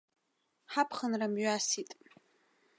Ҳаԥхынра мҩасит.